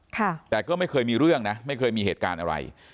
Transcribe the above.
แต่ก็ไม่เคยมีเรื่องนะไม่เคยมีเหตุการณ์อะไร